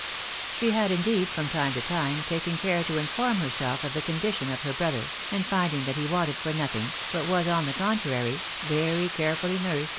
She had indeed from time to time taken care to inform herseif of the conditions of her brother, and finding: that he wanted for nothing, but was, on the contrary* very carefully nursed.